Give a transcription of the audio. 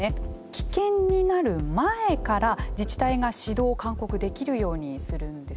危険になる前から自治体が指導・勧告できるようにするんです。